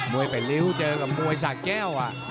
มวยไปริ้วเจอกับมวยสักแก้วอ่ะ